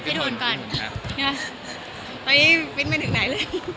ตอนนี้ฟิ้นไปถึงไหนเลย